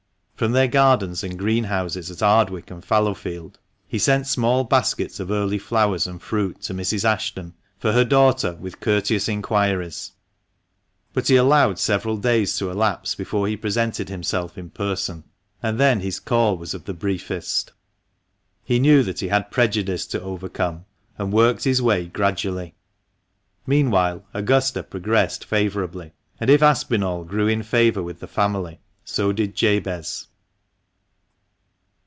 From their gardens and greenhouses at Ardwick and Fallowfield, he sent small baskets of early flowers and fruit to Mrs. Ashton, for her daughter, with courteous inquiries ; but he allowed several days to elapse before he presented himself in person, and then his call was of the briefest, 252 THE MANCHESTER MAN. He knew he had prejudice to overcome, and worked his way gradually. Meanwhile Augusta progressed favourably ; and if Aspinall grew in favour with the family, so did Jabez.